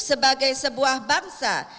sebagai sebuah bangsa